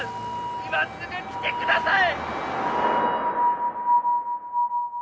今すぐ来てください！